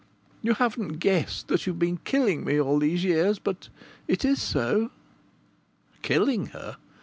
You haven't guessed that you've been killing me all these years; but it is so " Killing her!